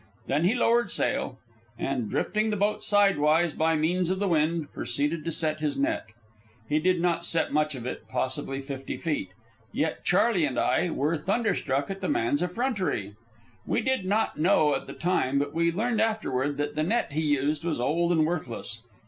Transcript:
Then he lowered sail, and, drifting the boat sidewise by means of the wind, proceeded to set his net. He did not set much of it, possibly fifty feet; yet Charley and I were thunderstruck at the man's effrontery. We did not know at the time, but we learned afterward, that the net he used was old and worthless.